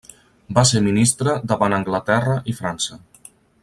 Va ser Ministre davant Anglaterra i França.